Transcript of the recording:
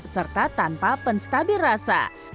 serta tanpa penstabil rasa